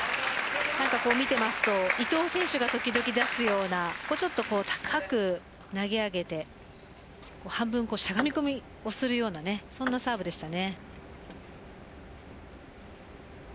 見ていますと伊藤選手が時々出すような高く投げ上げて半分しゃがみ込みをするようなそんなサーブでした。